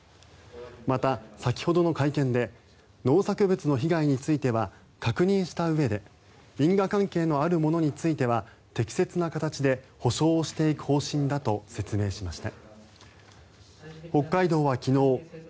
また、先ほどの会見で農作物の被害については確認したうえで因果関係のあるものについては適切な形で補償していく方針だと説明しました。